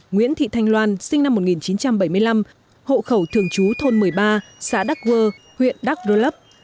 nguyễn thị thanh loan sinh năm một nghìn chín trăm bảy mươi năm hộ khẩu thường chú thôn một mươi ba xã đắk vơ huyện đắk đô lấp